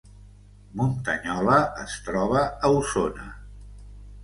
Muntanyola es troba a Osona